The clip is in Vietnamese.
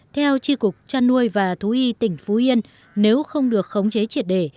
theo tri cục chăn nuôi và thú y tỉnh phú yên nếu không được khống chế triệt đề